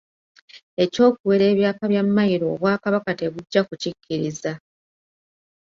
Eky'okuwera ebyapa bya Mmayiro Obwakabaka tebujja kukikkiriza.